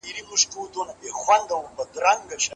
شریف خپل زوی ته نوې کتابچه واخیسته.